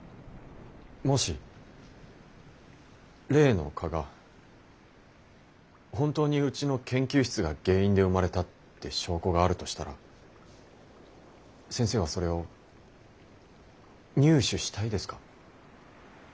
もし例の蚊が本当にうちの研究室が原因で生まれたって証拠があるとしたら先生はそれを入手したいですか？